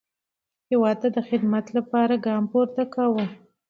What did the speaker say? هیواد ته د خدمت لپاره ګام پورته کاوه.